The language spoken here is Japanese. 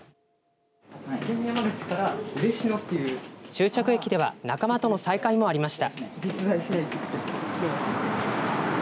終着駅では仲間との再会もありました。